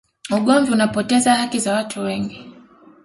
ugomvi unapoteza haki za watu wengi